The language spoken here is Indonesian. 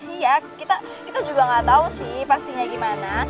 iya kita juga gak tau sih pastinya gimana